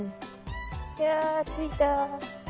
いやついた。